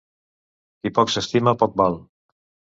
Qui poc s'estima, poc val.